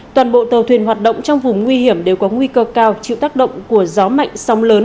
toàn bộ tàu thuyền hoạt động trong vùng nguy hiểm đều có nguy cơ cao chịu tác động của gió mạnh sóng lớn